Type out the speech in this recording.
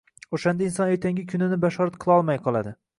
O‘shanda inson ertangi kunini bashorat qilolmay qoladi.